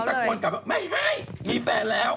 บอกเขาเลยไม่ให้มีแฟนแล้ว